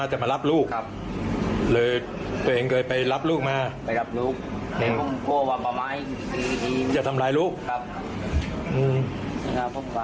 ทั้งและสื่อของมันขอบคุณมื้าน